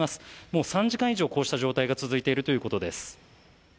もう３時間以上こうした状態が続いているということです